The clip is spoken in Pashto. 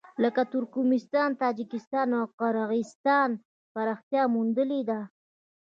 لکه ترکمنستان، تاجکستان او قرغېزستان ته پراختیا موندلې ده.